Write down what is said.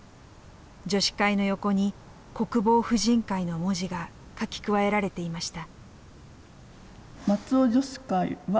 女子会の横に「国防婦人会」の文字が書き加えられていました。